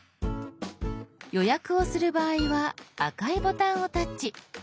予約をする場合は赤いボタンをタッチ。